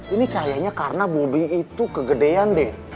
ini kayaknya karena bobi itu kegedean deh